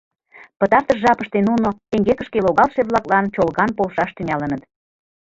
Пытартыш жапыште нуно эҥгекышке логалше-влаклан чолган полшаш тӱҥалыныт.